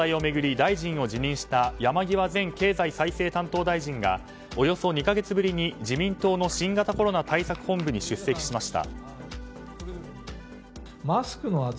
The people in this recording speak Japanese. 大臣を辞任した山際前経済再生担当大臣がおよそ２か月ぶりに自民党の新型コロナ対策本部に出席しました。